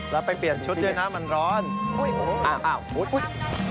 แล้วไปเปลี่ยนชุดด้วยนะมันร้อนอ้าวอุ๊ดอุ๊ย